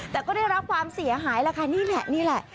แต่ก็ได้รับความเสียหายแล้วค่ะนี่แหละนี่แหละ